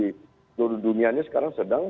seluruh dunianya sekarang sedang